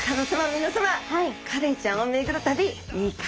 みなさまカレイちゃんを巡る旅いかがでしたでしょうか？